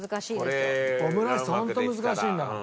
オムライスホント難しいんだから。